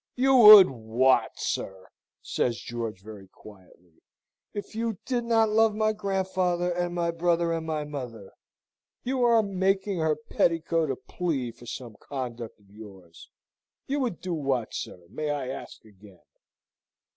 "You would what, sir?" says George, very quietly, "if you did not love my grandfather, and my brother, and my mother. You are making her petticoat a plea for some conduct of yours you would do what, sir, may I ask again?"